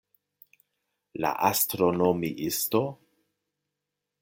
La astronomiisto?